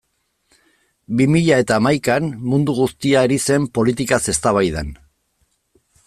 Bi mila eta hamaikan mundu guztia ari zen politikaz eztabaidan.